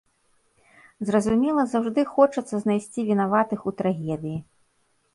Зразумела, заўжды хочацца знайсці вінаватых у трагедыі.